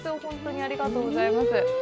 ありがとうございます。